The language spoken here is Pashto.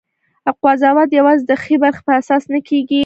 قضاوت یوازې د ښې برخې په اساس نه کېږي.